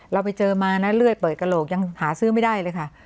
เราไปเจอมานะเลื่อยเปิดกระโหลกยังหาซื้อไม่ได้เลยค่ะ